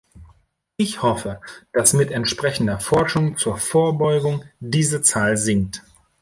Ich hoffe, dass mit entsprechender Forschung zur Vorbeugung diese Zahl sinkt.